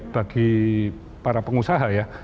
bagi para pengusaha ya